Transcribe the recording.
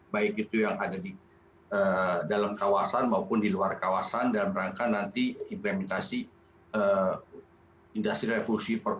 baik itu yang ada di dalam kawasan maupun di luar kawasan dalam rangka nanti implementasi industri revolusi empat